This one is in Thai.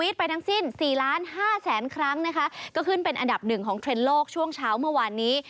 ก็ถ้าขึ้นเป็นอันดับหนึ่งของเทรนด์โลกช่วงเช้าเมื่อวานนี้